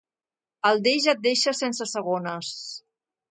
El deix et deixa sense segones.